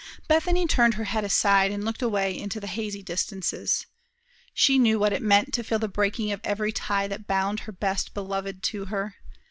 Bethany turned her head aside, and looked away into the hazy distances. She knew what it meant to feel the breaking of every tie that bound her best beloved to her.